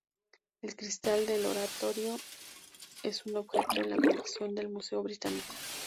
El cristal de Lotario es un objeto en la colección del Museo Británico.